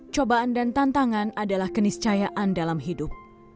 cobaan dan tantangan adalah keniscayaan dalam hidup